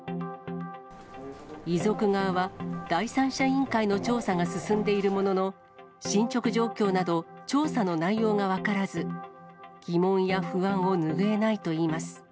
遺族側は、第三者委員会の調査が進んでいるものの、進捗状況など、調査の内容が分からず、疑問や不安を拭えないといいます。